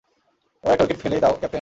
এবার একটা উইকেট ফেলেই দাও, ক্যাপ্টেন!